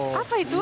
hah apa itu